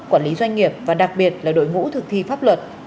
quản lý doanh nghiệp và đặc biệt là đội ngũ thực thi pháp luật